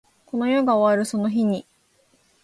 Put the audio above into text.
この世が終わるその日に